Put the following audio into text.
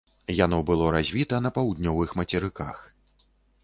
Яно было развіта на паўднёвых мацерыках.